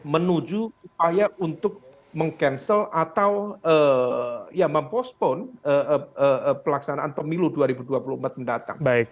menuju upaya untuk meng cancel atau ya mempospon pelaksanaan pemilu dua ribu dua puluh empat mendatang